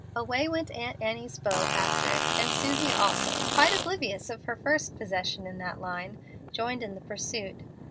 Away went Aunt Annie's beau after it, and Susie also, quite oblivious of her first possession in that line, joined in the pursuit.